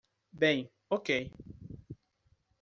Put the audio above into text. Bem, ok